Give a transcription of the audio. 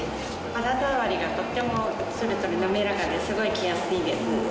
肌触りがとってもツルツル滑らかですごい着やすいです。